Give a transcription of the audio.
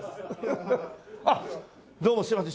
あっどうもすみません。